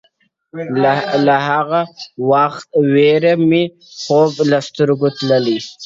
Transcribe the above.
له هغې ویري مي خوب له سترګو تللی!.